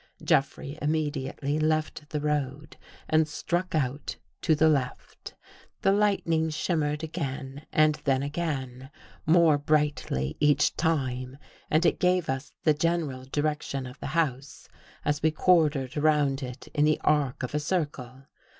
Jeffrey immediately left the road and struck out to the left. The lightning shimmered again and then again, more brightly each time, and it gave us the general direction of the house as we quartered around it in the arc of a circle.